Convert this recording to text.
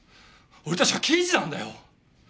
俺たちは刑事なんだよ。